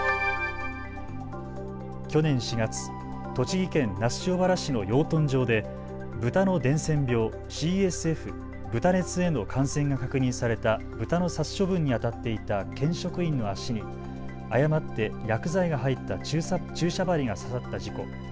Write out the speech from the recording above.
去年４月、栃木県那須塩原市の養豚場でブタの伝染病ＣＳＦ・豚熱への感染が確認されたブタの殺処分にあたっていた県職員の足に誤って薬剤が入った注射針が刺さった事故。